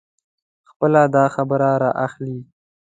خپله داخبره را اخلي.